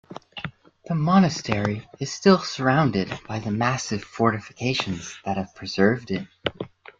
The monastery is still surrounded by the massive fortifications that have preserved it.